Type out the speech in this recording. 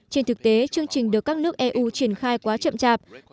trên thực tế chương trình được các nước eu triển khai quá chậm chạp